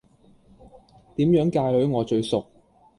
點樣界女我最熟